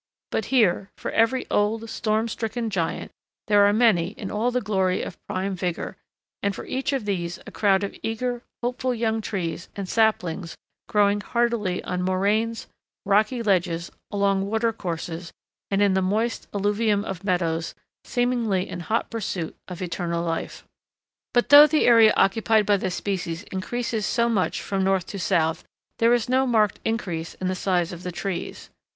But here for every old, storm stricken giant there are many in all the glory of prime vigor, and for each of these a crowd of eager, hopeful young trees and saplings growing heartily on moraines, rocky ledges, along watercourses, and in the moist alluvium of meadows, seemingly in hot pursuit of eternal life. [Illustration: SEQUOIA GIGANTEA—VIEW IN GENERAL GRANT NATIONAL PARK.] But though the area occupied by the species increases so much from north to south there is no marked increase in the size of the trees.